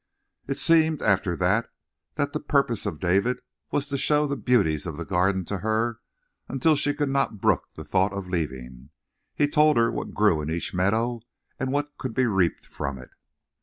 It seemed, after that, that the purpose of David was to show the beauties of the Garden to her until she could not brook the thought of leaving. He told her what grew in each meadow and what could be reaped from it.